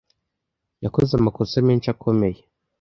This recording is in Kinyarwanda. Yakoze amakosa menshi akomeye.